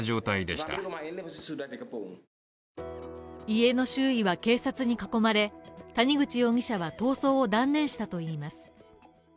家の周囲は警察に囲まれ谷口容疑者は逃走を断念したといいます。